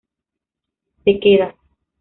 Te quedas.